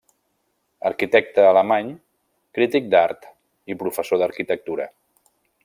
Arquitecte alemany, crític d'art i professor d'arquitectura.